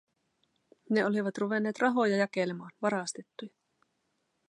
Ne olivat ruvenneet rahoja jakelemaan, varastettuja.